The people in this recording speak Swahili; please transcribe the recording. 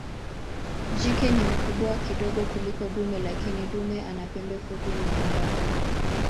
Jike ni mkubwa kidogo kuliko dume lakini dume ana pembe fupi na nyembamba.